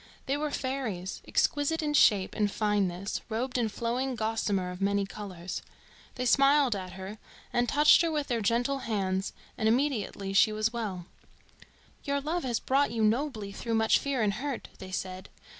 They were fairies, exquisite in shape and fineness, robed in flowing gossamer of many colours. They smiled at her, and touched her with their gentle hands, and immediately she was well. "Your love has brought you nobly through much fear and hurt," they said.